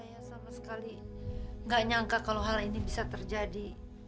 saya sama sekali nggak nyangka kalau hal ini bisa terjadi